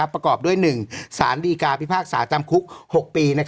ประกอบด้วย๑สารดีกาพิพากษาจำคุก๖ปี